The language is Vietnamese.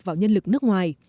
vào nhân lực nước ngoài